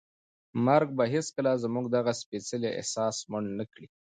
مرګ به هیڅکله زموږ دغه سپېڅلی احساس مړ نه کړي.